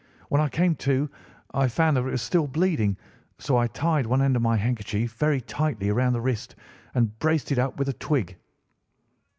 When I came to I found that it was still bleeding, so I tied one end of my handkerchief very tightly round the wrist and braced it up with a twig."